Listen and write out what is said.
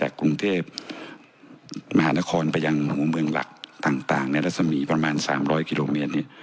กรุงเทพมหานครไปยังหูเมืองหลักต่างในรัศมีประมาณ๓๐๐กิโลเมตร